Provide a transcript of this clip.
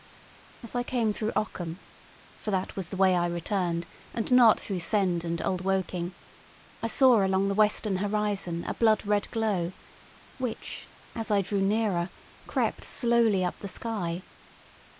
As I came through Ockham (for that was the way I returned, and not through Send and Old Woking) I saw along the western horizon a blood red glow, which as I drew nearer, crept slowly up the sky.